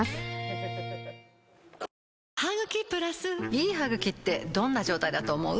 いい歯ぐきってどんな状態だと思う？